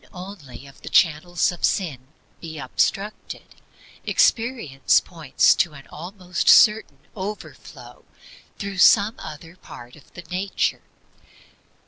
If only one of the channels of sin be obstructed, experience points to an almost certain overflow through some other part of the nature.